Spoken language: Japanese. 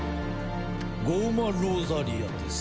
ゴーマ・ローザリアです。